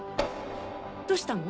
どうしたの？